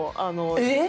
えっ！？